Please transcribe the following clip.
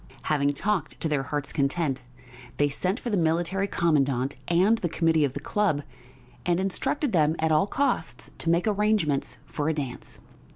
Having talked to their hearts' content, they sent for the Military Commandant and the committee of the club, and instructed them at all costs to make arrangements for a dance.